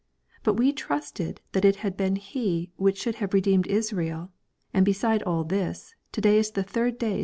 21 But we trusted that it had been he which should have redeemed Is rael rand beside all this, to day is the walk, and are sad